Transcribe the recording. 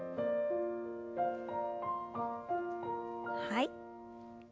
はい。